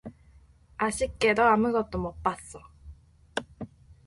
아쉽게도 아무것도 못 봤어.